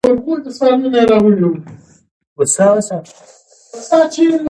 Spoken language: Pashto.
قانون د بېثباتۍ پر وړاندې خنډ جوړوي.